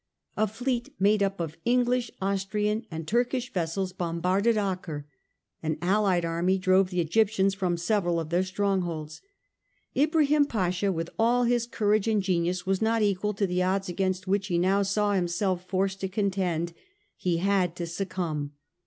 A fleet made up of English, Austrian and Turkish vessels bombarded Acre; an allied army drove the Egyp tians from several of their strongholds. Ibrahim Pasha with all his courage and genius was not equal to the odds against which he now saw himself forced to contend. He had to succumb.